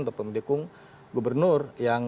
atau pendukung gubernur